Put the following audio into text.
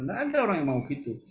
nggak ada orang yang mau gitu